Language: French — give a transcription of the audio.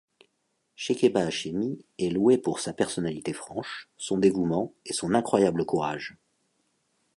Chékéba Hachemi est louée pour sa personnalité franche, son dévouement et son incroyable courage.